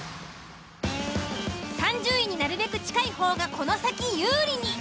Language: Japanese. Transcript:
３０位になるべく近い方がこの先有利に。